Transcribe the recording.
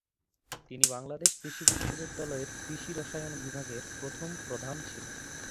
তিনি বাংলাদেশ কৃষি বিশ্ববিদ্যালয়ের কৃষি রসায়ন বিভাগের প্রথম প্রধান ছিলেন।